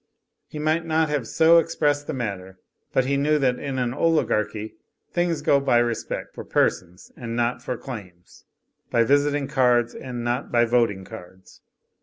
He might not so have expressed the matter, but he knew that in an oligarchy things go by respect for persons and not for claims ; by visiting cards and not by voting cards.